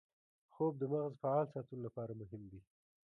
خوب د مغز فعال ساتلو لپاره مهم دی